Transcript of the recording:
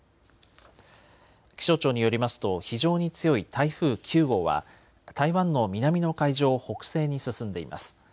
気象庁によりますと非常に強い台風９号は台湾の南の海上を北西に進んでいます。